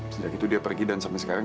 sejak itu dia pergi dan sampai sekarang